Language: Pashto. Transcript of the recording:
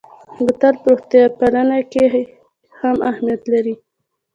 بوتل په روغتیا پالنه کې هم اهمیت لري.